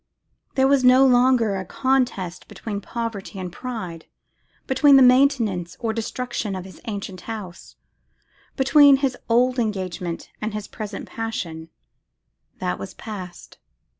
There was no longer a contest between poverty and pride, between the maintenance or destruction of his ancient house, between his old engagement and his present passion; that was past.